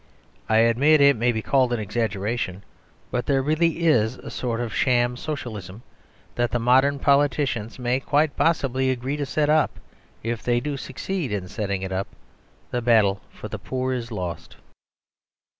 I admit it may be called an exaggeration; but there really is a sort of sham Socialism that the modern politicians may quite possibly agree to set up; if they do succeed in setting it up, the battle for the poor is lost.